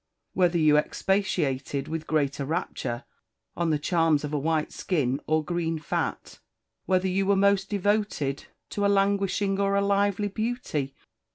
_ whether you expatiated with greater rapture on the charms of a white skin or green fat? whether you were most devoted to a languishing or a lively beauty?